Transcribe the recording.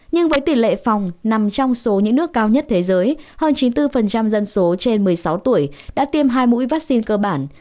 nhưng với tỷ lệ phòng nằm trong số những nước cao nhất thế giới hơn chín mươi bốn dân số trên một mươi sáu tuổi đã tiêm hai mũi vaccine cơ bản